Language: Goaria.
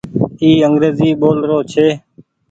اي انگريزي ٻول رو ڇي۔